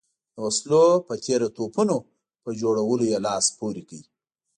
د وسلو په تېره توپونو په جوړولو یې لاس پورې کړ.